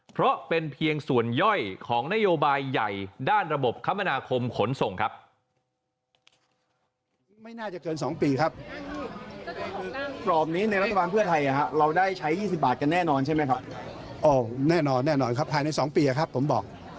เพราะเป็นเพียงส่วนย่อยของนโยบายใหญ่ด้านระบบคมนาคมขนส่งครับ